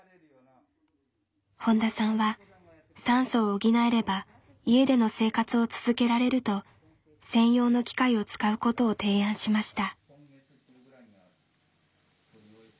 本田さんは酸素を補えれば家での生活を続けられると専用の機械を使うことを提案しました。